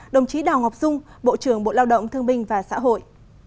đồng chí đào ngọc dung bộ trưởng bộ lao động thương binh và xã hội